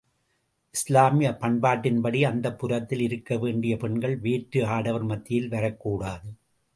இஸ்லாமிய பண்பாட்டின்படி அந்தப்புரத்தில் இருக்க வேண்டிய பெண்கள் வேற்று ஆடவர் மத்தியில் வரக்கூடாது.